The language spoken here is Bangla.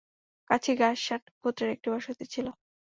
কাছেই গাসসান গোত্রের একটি বসতি ছিল।